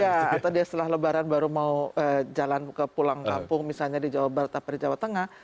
iya kita setelah lebaran baru mau jalan ke pulang kampung misalnya di jawa barat apa di jawa tengah